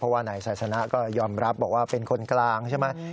ว่านายไซสนะก็ยอมรับบอกว่าเป็นคนกลางใช่ไหม